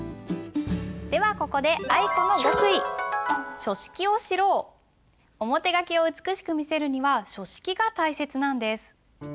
ではここで表書きを美しく見せるには書式が大切なんです。